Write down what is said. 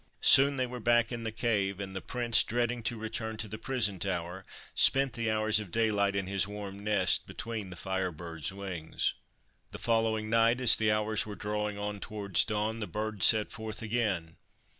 Soon they were back in the cave, and the Prince, dreading to return to the prison tower, spent the hours of daylight in his warm nest between the Fire Bird's wings. The following night, as the hours were drawing on towards dawn, the Bird set forth again.